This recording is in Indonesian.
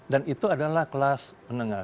dan itu adalah kelas menengah